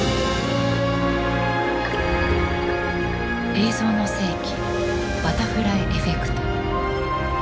「映像の世紀バタフライエフェクト」。